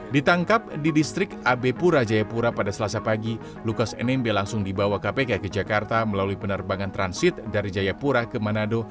ditangkap di distrik ab pura jayapura pada selasa pagi lukas nmb langsung dibawa kpk ke jakarta melalui penerbangan transit dari jayapura ke manado